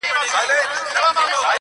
یو بوډا مي وو لیدلی؛